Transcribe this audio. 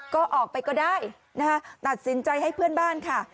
ก็ออกไปก็ได้นะคะตัดสินใจให้เพื่อนบ้านค่ะ